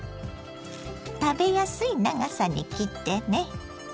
食べやすい長さに切ってね。